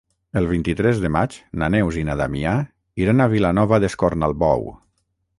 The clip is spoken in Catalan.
El vint-i-tres de maig na Neus i na Damià iran a Vilanova d'Escornalbou.